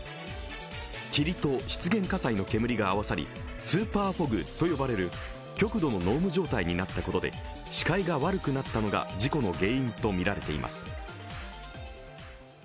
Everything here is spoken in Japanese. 霧と湿原火災の煙が合わさりスーパー・フォグと呼ばれる極度の濃霧状態になったことで視界が悪くなったのが事故の原因とみられています。